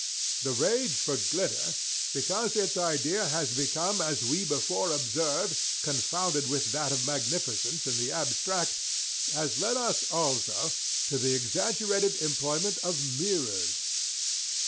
The rage for _glitter _because its idea has become as we before observed, confounded with that of magnificence in the abstract—has led us, also, to the exaggerated employment of mirrors.